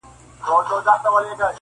• لکه له باد سره الوتې وړۍ -